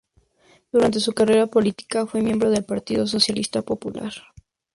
Durante su carrera política fue miembro del Partido Socialista Popular.